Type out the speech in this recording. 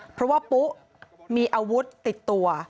เพราะว่าปุ๊มีอาวุธติดตัว